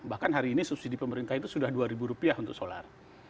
bahkan hari ini subsidi pemerintah itu sudah dua ribu rupiah untuk solar